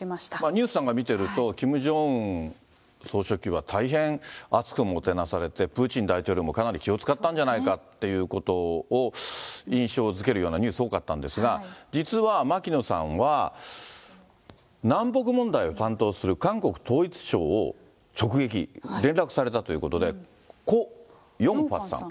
ニュースなんか見てると、キム・ジョンウン総書記は、大変厚くもてなされてプーチン大統領もかなり気を遣ったんじゃないかということを印象づけるようなニュースが多かったんですが、実は、牧野さんは、南北問題を担当する韓国・統一省を直撃、連絡されたということで、コ・ヨンファさん。